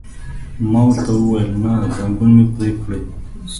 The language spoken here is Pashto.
ما ورته وویل: نه، ځنګون مې پرې کړئ.